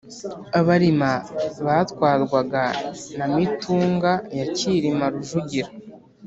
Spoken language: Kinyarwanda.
Abarima batwarwaga na Mitunga ya Cyilima Rujugira